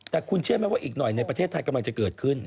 แต่คุณเชื่อไหมว่าอีกหน่อยในประเทศไทยกำลังจะเกิดขึ้น